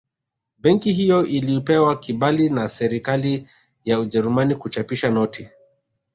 Benki hiyo ilipewa kibali na Serikali ya Ujerumani kuchapisha noti